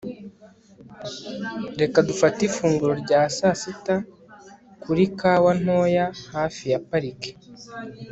reka dufate ifunguro rya saa sita kuri kawa ntoya hafi ya parike